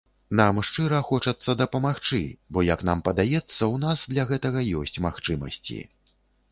Нам шчыра хочацца дапамагчы, бо як нам падаецца, у нас для гэтага ёсць магчымасці.